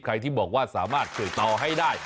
ที่บอกว่าสามารถติดต่อให้ได้